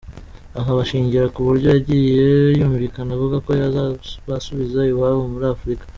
Aha bashingira ku buryo yagiye yumvikana avuga ko azabasubiza iwabo muri Afurika.